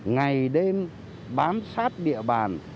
ngày đêm bám sát địa bàn